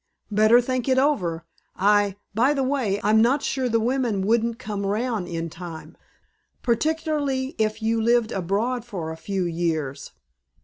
"Better think it over. I by the way I'm not sure the women wouldn't come round in time; particularly if you lived abroad for a few years."